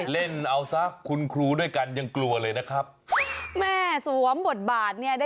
อันนี้ก็ต้องชื่นชมคุณครูที่ทุ่มตัวสุดตัวจริง